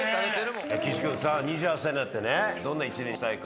岸君さ２８歳になってどんな一年にしたいか。